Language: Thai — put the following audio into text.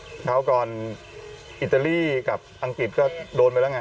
พักแล้วกันอิตาลีกับอังกฤษก็โดนไปแล้วกัน